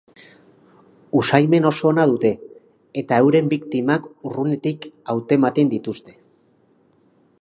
Usaimen oso ona dute, eta euren biktimak urrunetik hautematen dituzte.